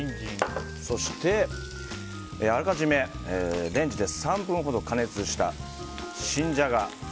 そしてあらかじめレンジで３分ほど加熱した新ジャガ。